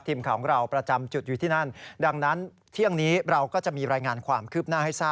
ทีมข่าวของเราประจำจุดอยู่ที่นั่นดังนั้นเที่ยงนี้เราก็จะมีรายงานความคืบหน้าให้ทราบ